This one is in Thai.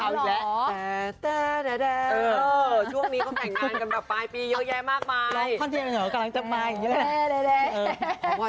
ช่วงนี้แสดงงานกันแบบปลายปีไกับเยอะแยะมาก